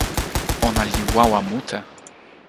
ona li wawa mute.